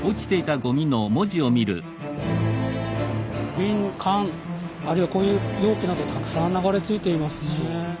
瓶缶あるいはこういう容器などたくさん流れ着いていますね。